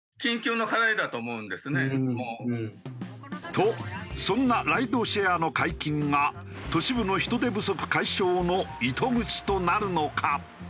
とそんなライドシェアの解禁が都市部の人手不足解消の糸口となるのか？